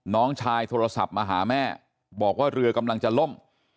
น้องชายโทรศัพท์มาหาแม่บอกว่าเรือกำลังจะล่ม